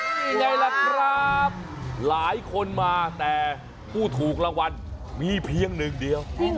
นี่ไงล่ะครับหลายคนมาแต่ผู้ถูกรางวัลมีเพียงหนึ่งเดียว